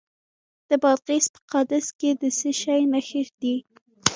د بادغیس په قادس کې د څه شي نښې دي؟